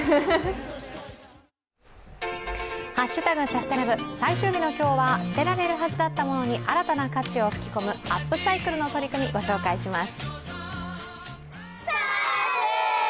「＃サステナ部」、最終日の今日は捨てられるはずだったものの新たな価値を吹き込むアップサイクルの取り組みをご紹介します。